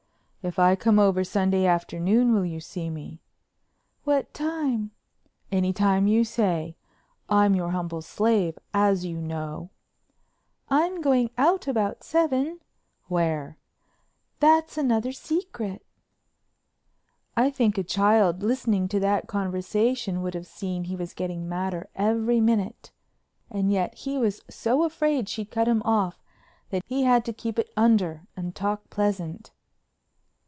"If I come over Sunday afternoon will you see me?" "What time?" "Any time you say—I'm your humble slave, as you know." "I'm going out about seven." "Where?" "That's another secret." I think a child listening to that conversation would have seen he was getting madder every minute and yet he was so afraid she'd cut him off that he had to keep it under and talk pleasant.